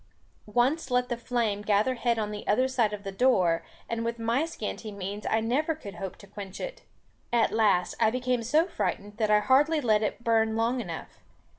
Once let the flame gather head on the other side of the door, and with my scanty means I never could hope to quench it. At last, I became so frightened, that I hardly let it burn long enough.